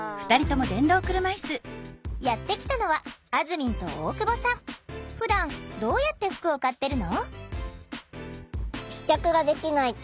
やって来たのはふだんどうやって服を買ってるの？